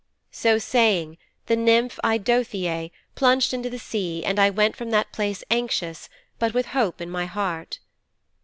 "' 'So saying the nymph Eidothëe plunged into the sea and I went from that place anxious, but with hope in my heart.